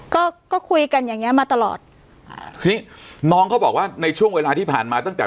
ก็ก็คุยกันอย่างเงี้มาตลอดอ่าทีนี้น้องเขาบอกว่าในช่วงเวลาที่ผ่านมาตั้งแต่